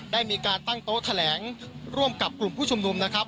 ได้มีการตั้งโต๊ะแถลงร่วมกับกลุ่มผู้ชุมนุมนะครับ